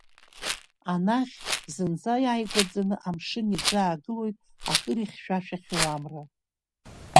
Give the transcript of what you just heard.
Анахь, зынӡа иааигәаӡаны амшын иӡаагылоит акыр ихьшәашәахьоу амра.